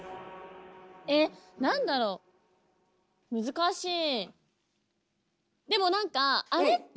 えっなんだろう難しい。